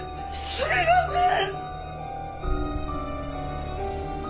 すみません！